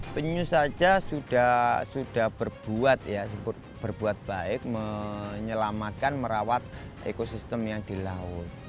penyung saja sudah berbuat baik menyelamatkan merawat ekosistem yang di laut